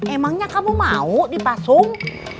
emangnya kamu mau dipasung